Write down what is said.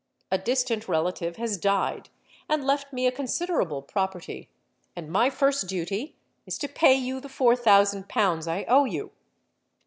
A distant relative has died and left me a considerable property; and my first duty is to pay you the four thousand pounds I owe you.'